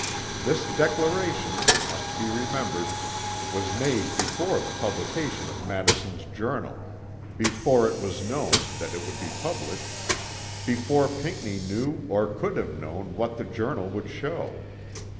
This declaration, it must be remembered, was made before the publication of Madison's Journal, before it was known that it would be published, before Pinckney knew or could have known what the Journal would show.